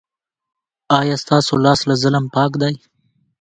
ایا ستاسو لاس له ظلم پاک دی؟